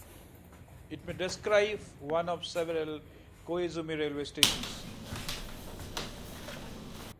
It may describe one of several Koizumi railway stations.